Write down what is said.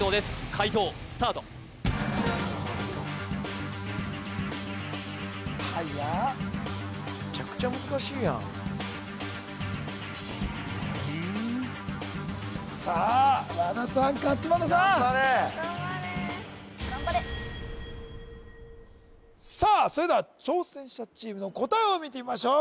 解答スタートはやっむちゃくちゃ難しいやんさあ和田さん勝間田さん・頑張れ頑張れさあそれでは挑戦者チームの答えを見てみましょう